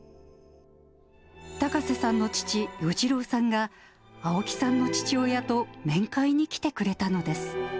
高瀬さんの父、與二郎さんが、青木さんの父親と面会に来てくれたのです。